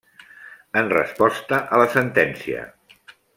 En resposta a la sentència.